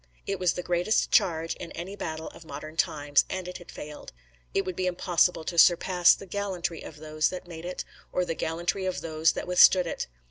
It was the greatest charge in any battle of modern times, and it had failed. It would be impossible to surpass the gallantry of those that made it, or the gallantry of those that withstood it.